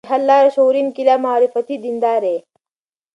د حل لار: شعوري انقلاب او معرفتي دینداري